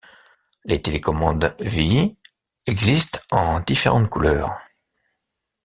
Les télécommandes Vii existe en différentes couleurs.